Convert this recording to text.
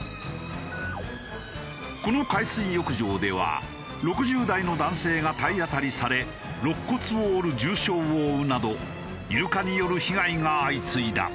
この海水浴場では６０代の男性が体当たりされろっ骨を折る重傷を負うなどイルカによる被害が相次いだ。